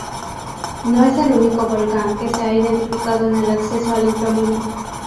No es el único volcán que se ha identificado con el acceso al inframundo.